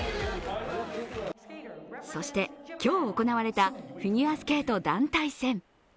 そして、今日行われたフィギュアスケート団体戦。